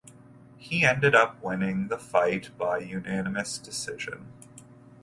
He ended up winning the fight by unanimous decision.